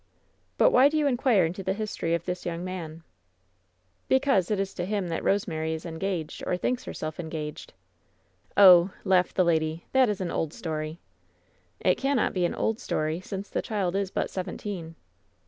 But why do you iib quire into the history of this young person ?'* "Because it is to him that Rosemary is engaged, or thinks herself engaged/' "Oh," laughed the lady, "that is an old story." "It cannot be an old story, since the child is but seventeen."